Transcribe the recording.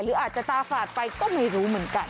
หรืออาจจะตาฝาดไปก็ไม่รู้เหมือนกัน